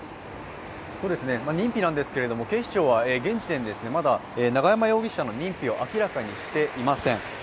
認否なんですけども警視庁は現時点でまだ永山容疑者の認否を明らかにしていません。